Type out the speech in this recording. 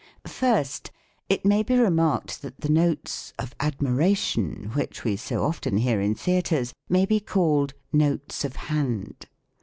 First, it may be remarked, that the notes of admira tion which we so often hear in theatres, may be called notes of hand.